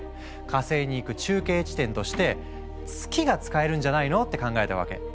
火星に行く中継地点として月が使えるんじゃないの？って考えたわけ。